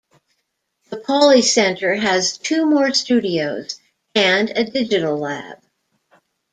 The Pauley center has two more studios and a digital lab.